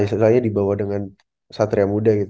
istilahnya di bawah dengan satria muda gitu